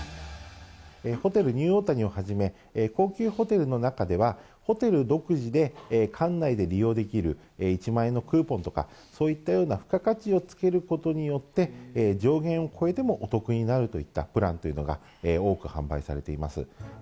ホテルニューオータニをはじめ、高級ホテルの中では、ホテル独自で館内で利用できる１万円のクーポンとか、そういったような付加価値をつけることによって、上限を超えてもお得になるといったプランというのが、多く販売されています。